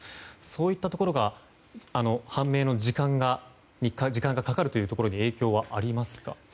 そういったところが判明に時間がかかるという影響はありますか？